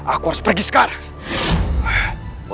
aku harus pergi sekarang